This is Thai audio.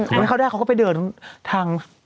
วันนี้เขาได้เขาก็ไปเดินทาง